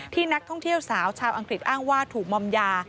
นักท่องเที่ยวสาวชาวอังกฤษอ้างว่าถูกมอมยา